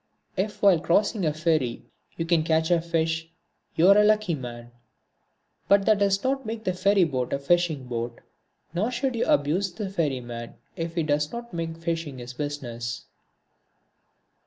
If while crossing a ferry you can catch a fish you are a lucky man, but that does not make the ferry boat a fishing boat, nor should you abuse the ferryman if he does not make fishing his business.